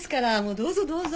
どうぞどうぞ！